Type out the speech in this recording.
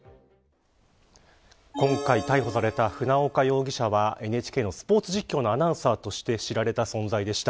今回、逮捕された船岡容疑者はＮＨＫのスポーツ実況のアナウンサーとして知られた存在でした。